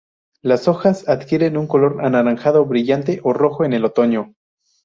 Las hojas adquieren un color anaranjado brillante o rojo en el otoño.